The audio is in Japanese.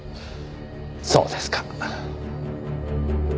そうですか。